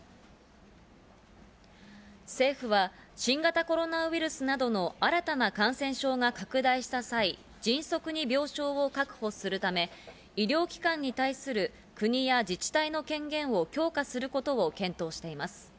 政府は新型コロナウイルスなどの新たな感染症が拡大した際、迅速に病床を確保するため、医療機関に対する国や自治体の権限を強化することを検討しています。